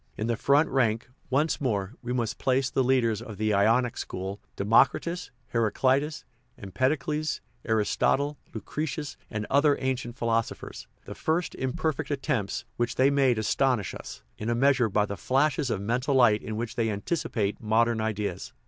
In the front rank, once more, we must place the leaders of the Ionic school, with Democritus, Heraclitus, Empedocles, Aris totle, Lucretius, and other ancient philosophers. The first imperfect attempts which they made astonish us, in a measure, by the flashes of mental light in which they anticipate modern ideas.